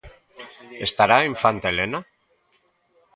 Estará a Infanta Elena?